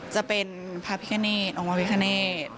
จะเป็นพระพิกเนตออกมาพิกเนต